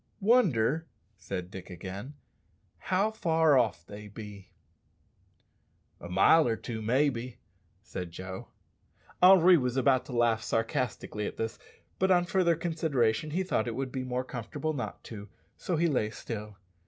"Wonder," said Dick again, "how far off they be." "A mile or two, maybe," said Joe. Henri was about to laugh sarcastically at this, but on further consideration he thought it would be more comfortable not to, so he lay still.